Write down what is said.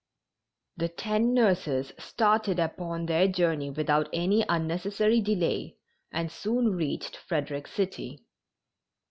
The ten nurses started upon their journey without any unnecessary delay and soon reached Frederick City.